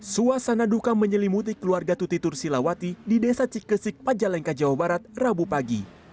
suasana duka menyelimuti keluarga tuti tursilawati di desa cikesik pajalengka jawa barat rabu pagi